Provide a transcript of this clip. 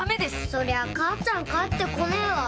そりゃ母ちゃん帰ってこねえわ。